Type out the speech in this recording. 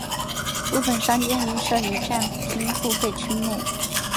部分商店亦设于站厅付费区内。